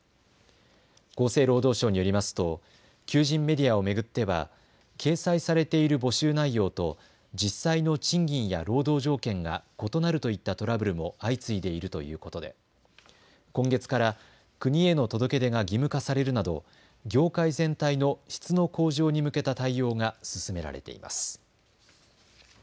厚生労働省によりますと求人メディアを巡っては掲載されている募集内容と実際の賃金や労働条件が異なるといったトラブルも相次いでいるということで今月から国への届け出が義務化されるなど業界全体の質の向上に向けた対応が進められています。